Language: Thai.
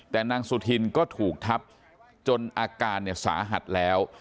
แต่นางสุธินก็ถูกทับจนอาการสาหัสแล้ว